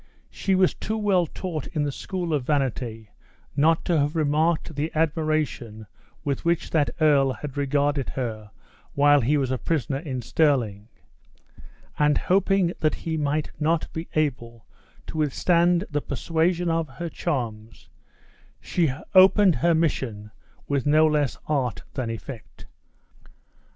She was too well taught in the school of vanity not to have remarked the admiration with which that earl had regarded her while he was a prisoner in Stirling; and, hoping that he might not be able to withstand the persuasion of her charms, she opened her mission with no less art than effect.